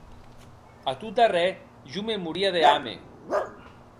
A tot darrèr, jo me moria de hame.